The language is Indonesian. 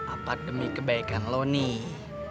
apa demi kebaikan lo nih